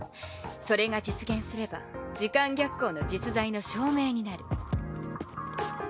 それが実現すれば時間逆行の実在の証明になる。